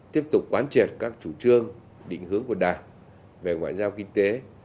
tiếp tục quán triệt các chủ trương định hướng của đảng về ngoại giao kinh tế